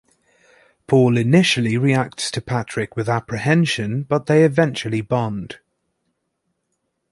Paul initially reacts to Patrick with apprehension but they eventually bond.